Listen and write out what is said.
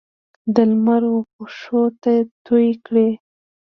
د لمر وپښوته توی کړي